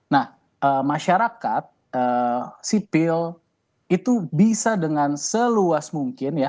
nah masyarakat sipil itu bisa dengan seluas mungkin ya